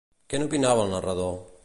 Què n'opinava el narrador?